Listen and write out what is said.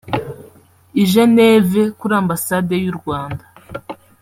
i Geneve kuri Ambassade y’u Rwanda